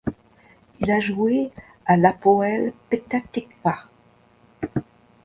Il a joué à l'Hapoël Petah-Tikvah.